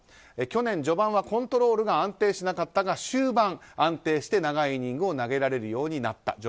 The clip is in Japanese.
去年序盤はコントロールが安定しなかったが終盤、安定して長いイニングを投げられるようになった。